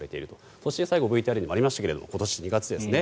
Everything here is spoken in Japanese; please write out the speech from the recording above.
そして最後ＶＴＲにもありましたが今年２月ですね。